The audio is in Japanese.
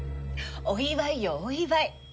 お祝いよお祝い！